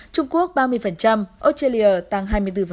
trung quốc ba mươi australia tăng hai mươi bốn